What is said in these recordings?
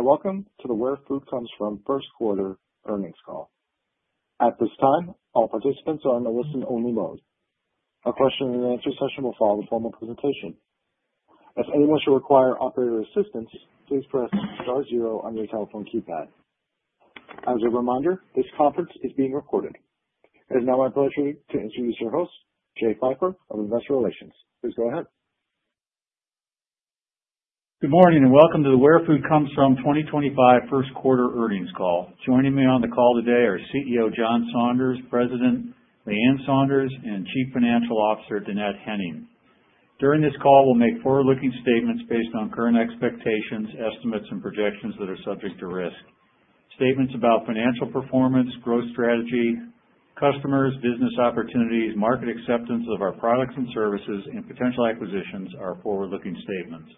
Students, welcome to the Where Food Comes From first quarter earnings call. At this time, all participants are in a listen-only mode. A question-and-answer session will follow the formal presentation. If anyone should require operator assistance, please press star zero on your telephone keypad. As a reminder, this conference is being recorded. It is now my pleasure to introduce your host, Jay Pfeiffer, of Investor Relations. Please go ahead. Good morning and welcome to the Where Food Comes From 2025 first quarter earnings call. Joining me on the call today are CEO John Saunders, President Leann Saunders, and Chief Financial Officer Dannette Henning. During this call, we'll make forward-looking statements based on current expectations, estimates, and projections that are subject to risk. Statements about financial performance, growth strategy, customers, business opportunities, market acceptance of our products and services, and potential acquisitions are forward-looking statements.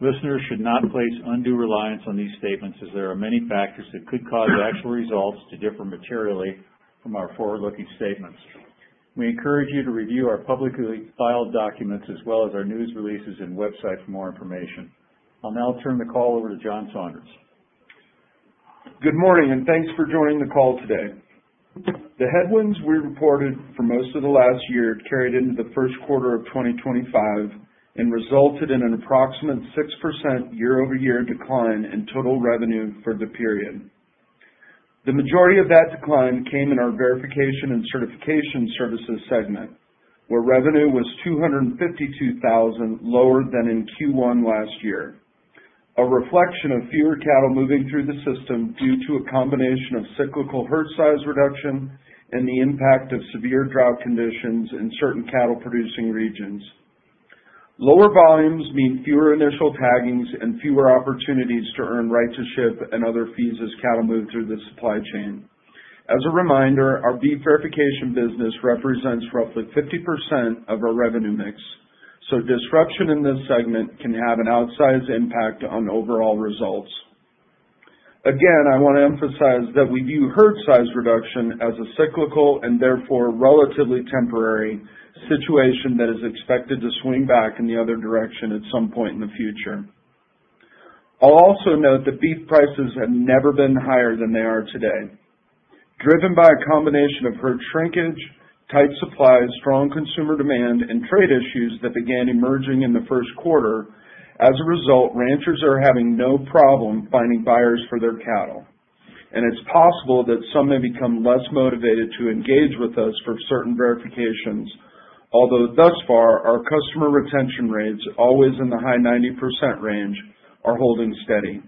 Listeners should not place undue reliance on these statements as there are many factors that could cause actual results to differ materially from our forward-looking statements. We encourage you to review our publicly filed documents as well as our news releases and website for more information. I'll now turn the call over to John Saunders. Good morning and thanks for joining the call today. The headwinds we reported for most of the last year carried into the first quarter of 2025 and resulted in an approximate 6% year-over-year decline in total revenue for the period. The majority of that decline came in our verification and certification services segment, where revenue was $252,000 lower than in Q1 last year, a reflection of fewer cattle moving through the system due to a combination of cyclical herd size reduction and the impact of severe drought conditions in certain cattle-producing regions. Lower volumes mean fewer initial taggings and fewer opportunities to earn right to ship and other fees as cattle move through the supply chain. As a reminder, our beef verification business represents roughly 50% of our revenue mix, so disruption in this segment can have an outsized impact on overall results. Again, I want to emphasize that we view herd size reduction as a cyclical and therefore relatively temporary situation that is expected to swing back in the other direction at some point in the future. I will also note that beef prices have never been higher than they are today. Driven by a combination of herd shrinkage, tight supplies, strong consumer demand, and trade issues that began emerging in the first quarter, as a result, ranchers are having no problem finding buyers for their cattle. It is possible that some may become less motivated to engage with us for certain verifications, although thus far our customer retention rates, always in the high 90% range, are holding steady.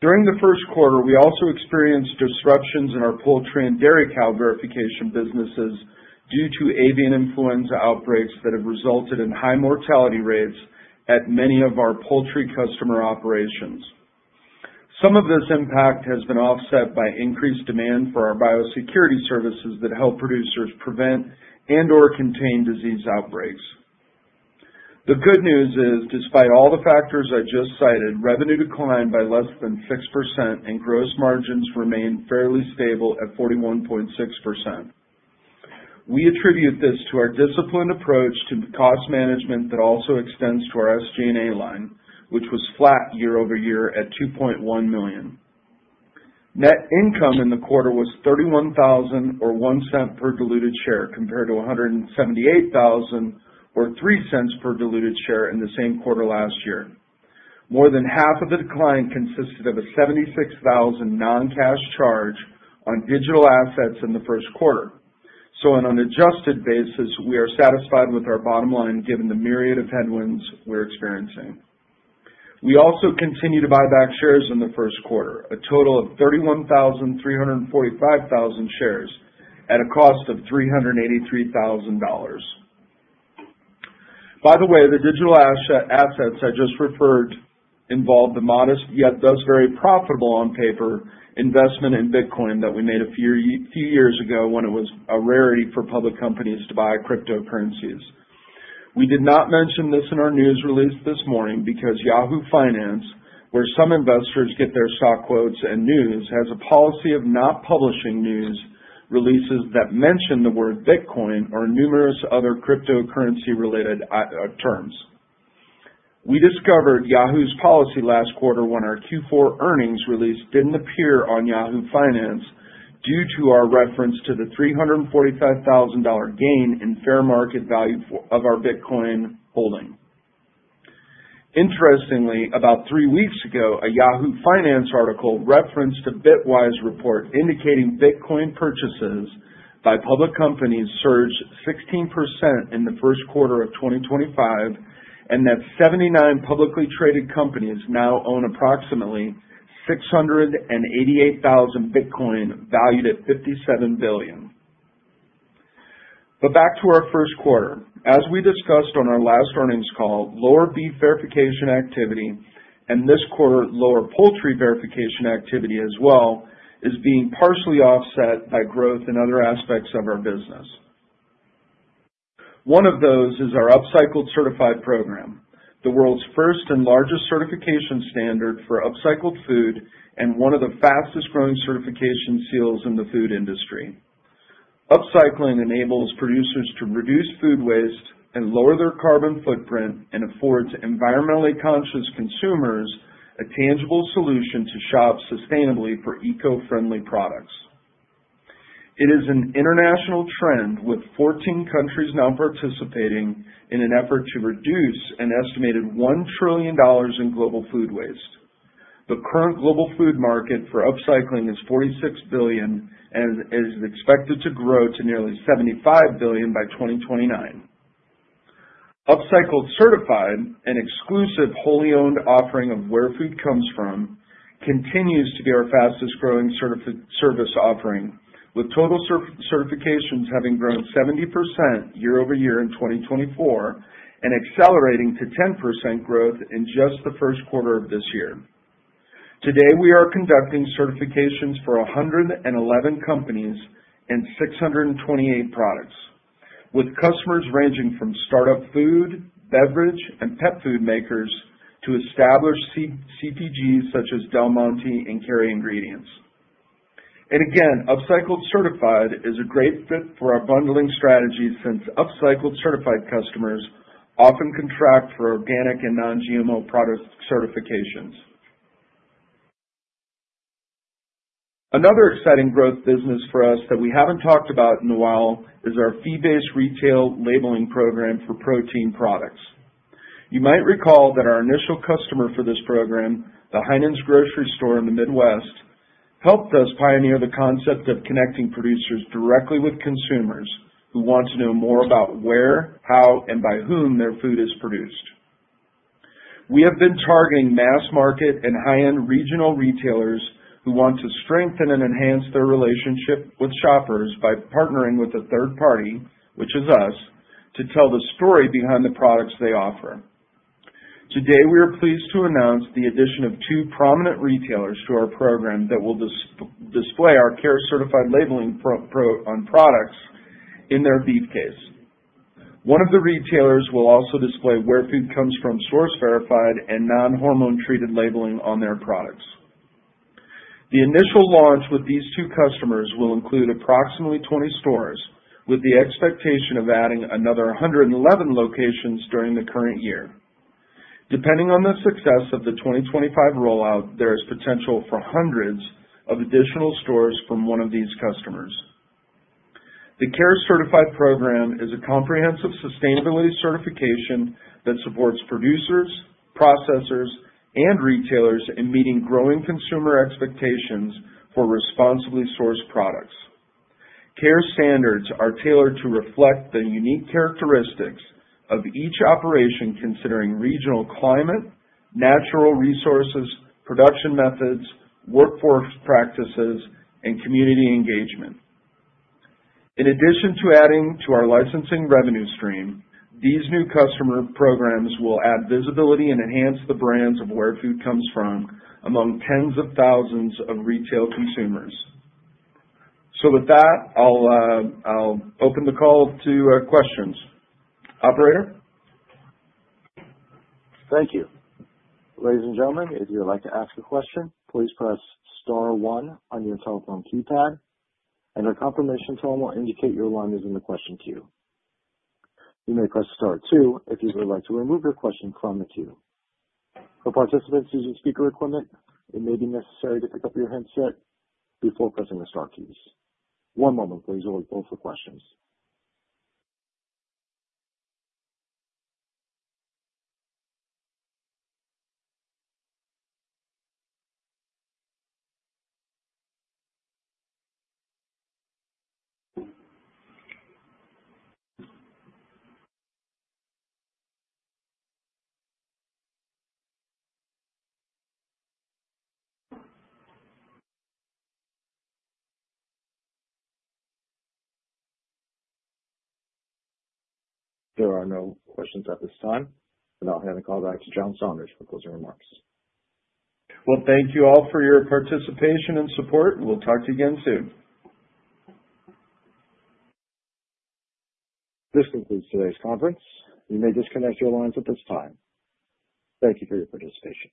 During the first quarter, we also experienced disruptions in our poultry and dairy cow verification businesses due to avian influenza outbreaks that have resulted in high mortality rates at many of our poultry customer operations. Some of this impact has been offset by increased demand for our biosecurity services that help producers prevent and/or contain disease outbreaks. The good news is, despite all the factors I just cited, revenue declined by less than 6% and gross margins remained fairly stable at 41.6%. We attribute this to our disciplined approach to cost management that also extends to our SG&A line, which was flat year-over-year at $2.1 million. Net income in the quarter was $31,000 or 1 cent per diluted share compared to $178,000 or 3 cents per diluted share in the same quarter last year. More than half of the decline consisted of a $76,000 non-cash charge on digital assets in the first quarter. On an adjusted basis, we are satisfied with our bottom line given the myriad of headwinds we're experiencing. We also continued to buy back shares in the first quarter, a total of 31,345 shares at a cost of $383,000. By the way, the digital assets I just referred to involved a modest yet thus very profitable on paper investment in Bitcoin that we made a few years ago when it was a rarity for public companies to buy cryptocurrencies. We did not mention this in our news release this morning because Yahoo Finance, where some investors get their stock quotes and news, has a policy of not publishing news releases that mention the word Bitcoin or numerous other cryptocurrency-related terms. We discovered Yahoo's policy last quarter when our Q4 earnings release did not appear on Yahoo Finance due to our reference to the $345,000 gain in fair market value of our Bitcoin holding. Interestingly, about three weeks ago, a Yahoo Finance article referenced a Bitwise report indicating Bitcoin purchases by public companies surged 16% in the first quarter of 2025 and that 79 publicly traded companies now own approximately 688,000 Bitcoin valued at $57 billion. Back to our first quarter. As we discussed on our last earnings call, lower beef verification activity and this quarter lower poultry verification activity as well is being partially offset by growth in other aspects of our business. One of those is our Upcycle Certified program, the world's first and largest certification standard for upcycled food and one of the fastest-growing certification seals in the food industry. Upcycling enables producers to reduce food waste and lower their carbon footprint and affords environmentally conscious consumers a tangible solution to shop sustainably for eco-friendly products. It is an international trend with 14 countries now participating in an effort to reduce an estimated $1 trillion in global food waste. The current global food market for upcycling is $46 billion and is expected to grow to nearly $75 billion by 2029. Upcycled Certified, an exclusive wholly owned offering of Where Food Comes From, continues to be our fastest-growing service offering, with total certifications having grown 70% year-over-year in 2024 and accelerating to 10% growth in just the first quarter of this year. Today, we are conducting certifications for 111 companies and 628 products, with customers ranging from startup food, beverage, and pet food makers to established CPGs such as Del Monte and Kerry Ingredients. Upcycle Certified is a great fit for our bundling strategy since Upcycle Certified customers often contract for organic and non-GMO product certifications. Another exciting growth business for us that we haven't talked about in a while is our fee-based retail labeling program for protein products. You might recall that our initial customer for this program, Heinen's Grocery Store in the Midwest, helped us pioneer the concept of connecting producers directly with consumers who want to know more about where, how, and by whom their food is produced. We have been targeting mass market and high-end regional retailers who want to strengthen and enhance their relationship with shoppers by partnering with a third party, which is us, to tell the story behind the products they offer. Today, we are pleased to announce the addition of two prominent retailers to our program that will display our Carry Certified labeling on products in their beef case. One of the retailers will also display Where Food Comes From source-verified and non-hormone-treated labeling on their products. The initial launch with these two customers will include approximately 20 stores, with the expectation of adding another 111 locations during the current year. Depending on the success of the 2025 rollout, there is potential for hundreds of additional stores from one of these customers. The Carry Certified program is a comprehensive sustainability certification that supports producers, processors, and retailers in meeting growing consumer expectations for responsibly sourced products. Carry standards are tailored to reflect the unique characteristics of each operation considering regional climate, natural resources, production methods, workforce practices, and community engagement. In addition to adding to our licensing revenue stream, these new customer programs will add visibility and enhance the brands of Where Food Comes From among tens of thousands of retail consumers. With that, I'll open the call to questions. Operator? Thank you. Ladies and gentlemen, if you would like to ask a question, please press star one on your telephone keypad, and a confirmation tone will indicate your line is in the question queue. You may press star two if you would like to remove your question from the queue. For participants using speaker equipment, it may be necessary to pick up your headset before pressing the star keys. One moment, please, while we pull up the questions. There are no questions at this time, and I'll hand the call back to John Saunders for closing remarks. Thank you all for your participation and support. We'll talk to you again soon. This concludes today's conference. You may disconnect your lines at this time. Thank you for your participation.